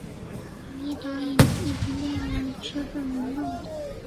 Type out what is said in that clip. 倘一答应，夜间便要来吃这人的肉的